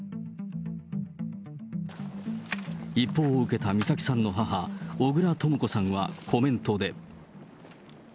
一報を受けた美咲さんの母、小倉とも子さんは、コメントで。